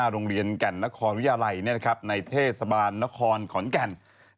โรงเรียนแก่นนครวิทยาลัยในเทศบาลนครขอนแก่น